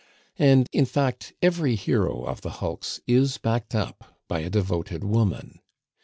And, in fact, every hero of the hulks is backed up by a devoted woman.